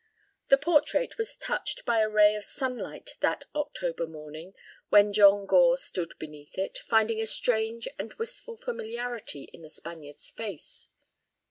The portrait was touched by a ray of sunlight that October morning when John Gore stood beneath it, finding a strange and wistful familiarity in the Spaniard's face.